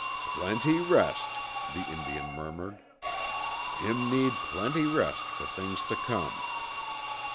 "Plenty rest," the Indian murmured. "Him need plenty rest for things to come."